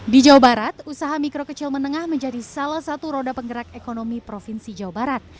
di jawa barat usaha mikro kecil menengah menjadi salah satu roda penggerak ekonomi provinsi jawa barat